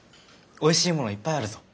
おいしいものいっぱいあるぞ。